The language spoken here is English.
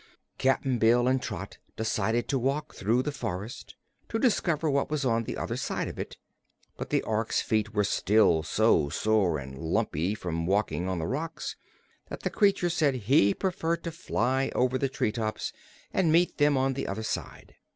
Cap'n Bill and Trot decided to walk through the forest, to discover what was on the other side of it, but the Ork's feet were still so sore and "lumpy" from walking on the rocks that the creature said he preferred to fly over the tree tops and meet them on the other side.